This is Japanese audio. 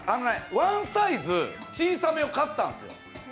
ワンサイズ小さめを買ったんですよ。